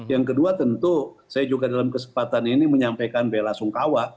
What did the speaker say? yang kedua tentu saya juga dalam kesempatan ini menyampaikan bela sungkawa